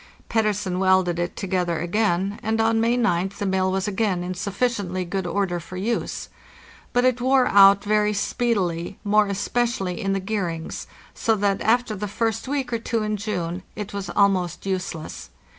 Pettersen welded it together again, and on May oth the mill was again in sufficiently good order for use. But it wore out very speedily, more especially in the gearings, so that, after the first week or two in June, it was almost useless.